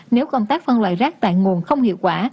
nếu công tác phân loại rác tại nguồn không hiệu quả